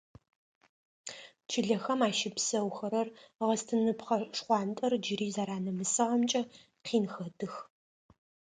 Чылэхэм ащыпсэухэрэр гъэстыныпхъэ шхъуантӏэр джыри зэранэмысыгъэмкӏэ къин хэтых.